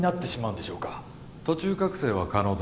途中覚醒は可能です